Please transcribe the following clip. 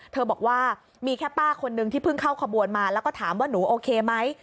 บอกว่ามีแค่ป้าคนนึงที่เพิ่งเข้าขบวนมาแล้วก็ถามว่าหนูโอเคไหม